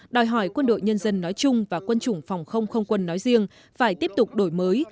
đòi hỏi quân đội nhân dân nói chung và quân chủng phòng không không quân nói riêng phải tiếp tục đổi mới